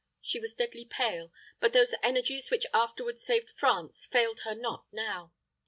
She was deadly pale, but those energies which afterward saved France failed her not now.